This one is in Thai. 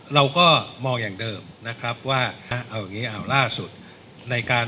เราก็มองอย่างเดิมนะครับว่าเอาอย่างนี้เอาล่าสุดในการ